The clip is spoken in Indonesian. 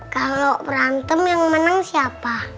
kalau berantem yang menang siapa